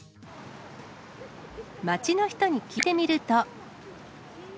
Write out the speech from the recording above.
街の人に聞いてみると。